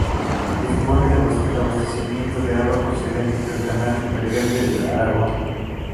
Dispone de abastecimiento de agua procedente del Canal Imperial de Aragón.